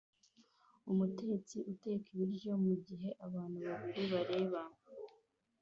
Umutetsi uteka ibiryo mugihe abantu babiri bareba